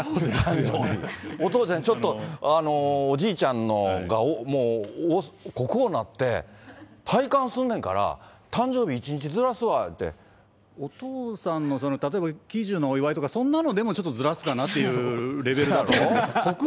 お父ちゃんちょっと、おじいちゃんの国王になって、戴冠すんねんから、お父さんのその例えば、喜寿のお祝いとか、そんなんでもちょっとずらすかなっていうレベルだと。